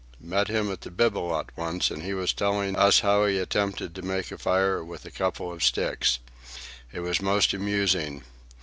Met him at the Bibelot once, and he was telling us how he attempted to make a fire with a couple of sticks. It was most amusing.